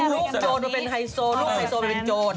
ลูกโจรมาเป็นไฮโซลูกไฮโซไปเป็นโจร